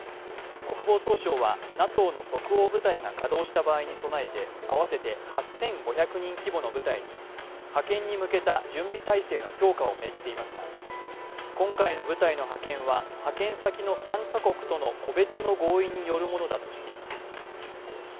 国防総省はＮＡＴＯの即応部隊が稼働した場合に備えて合わせて８５００人規模の部隊に派遣に向けた準備体制の強化を命じていますが、今回の部隊の派遣は派遣先の３か国との個別の合意によるものだとしています。